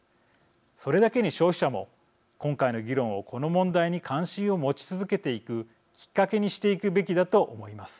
それだけに消費者も今回の議論をこの問題に関心を持ち続けていくきっかけにしていくべきだと思います。